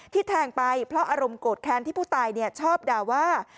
แทงไปเพราะอารมณ์โกรธแค้นที่ผู้ตายชอบด่าว่า